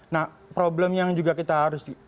nah problem yang juga kita harus